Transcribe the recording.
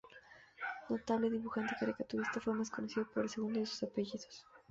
Notable dibujante y caricaturista, fue más conocido por el segundo de sus apellidos.